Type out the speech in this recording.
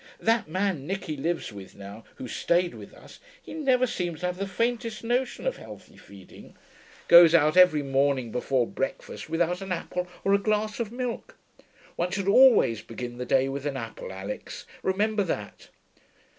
That man Nicky lives with, now, who stayed with us he never seems to have the faintest notion of healthy feeding. Goes out every morning before breakfast without an apple or a glass of milk. One should always begin the day with an apple, Alix remember that.